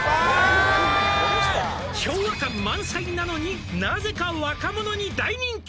「昭和感満載なのになぜか若者に大人気」